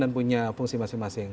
punya fungsi masing masing